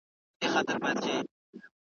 ورته راغله د برکلي د ښکاریانو `